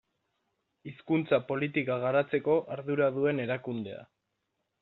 Hizkuntza politika garatzeko ardura duen erakundea.